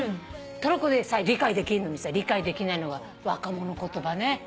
トルコ語でさえ理解できるのに理解できないのが若者言葉ね。